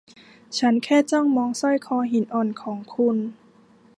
ฉันแค่จ้องมองสร้อยคอหินอ่อนของคุณ